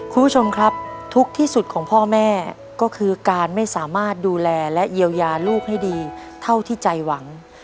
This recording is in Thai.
คุณผู้ชมครับทุกข์ที่สุดของพ่อแม่ก็คือการไม่สามารถดูแลและเยียวยาลูกให้ดีเท่าที่ใจหวัง